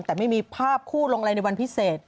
แต่ไม่มีภาพคู่ลงอะไรในวันพิเศษ